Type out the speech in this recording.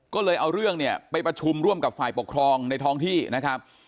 ก็เลยเอาเรื่องเนี่ยไปประชุมร่วมกับฝ่ายปกครองในท้องที่นะครับ